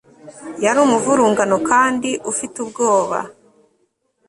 Yari umuvurungano kandi ufite ubwoba